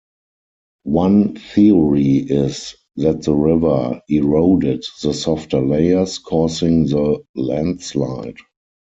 One theory is that the river eroded the softer layers, causing the landslide.